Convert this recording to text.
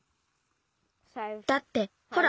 だってほら